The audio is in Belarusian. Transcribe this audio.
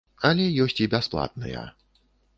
Але ёсць і бясплатныя.